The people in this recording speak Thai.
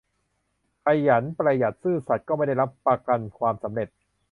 ขยัน ประหยัด ซื่อสัตย์ ก็ไม่ได้รับประกันความสำเร็จ